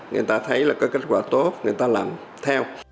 người ta thấy là có kết quả tốt người ta làm theo